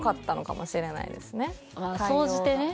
総じてね